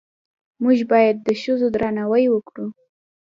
موږ باید د ښځو درناوی وکړو